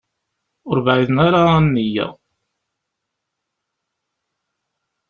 Ur bɛiden ara a nniya.